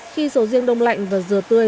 khi sầu riêng đông lạnh và dừa tươi